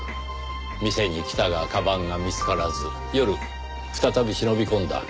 店に来たが鞄が見つからず夜再び忍び込んだ。